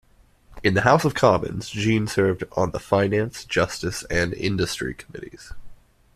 In the House of Commons, Jean served on the Finance, Justice, and Industry Committees.